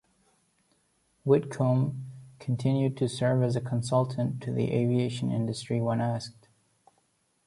Whitcomb continued to serve as a consultant to the aviation industry when asked.